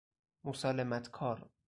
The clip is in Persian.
مسالمت کار